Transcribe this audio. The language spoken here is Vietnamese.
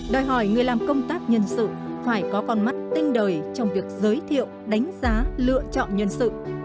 đòi hỏi người làm công tác nhân sự phải có con mắt tinh đời trong việc giới thiệu đánh giá lựa chọn nhân sự